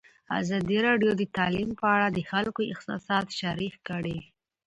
ازادي راډیو د تعلیم په اړه د خلکو احساسات شریک کړي.